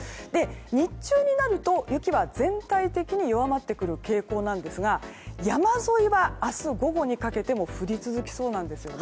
日中になると雪は、全体的に弱まってくる傾向なんですが山沿いは明日午後にかけても降り続きそうなんですね。